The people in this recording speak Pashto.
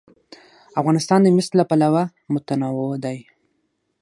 افغانستان د مس له پلوه متنوع دی.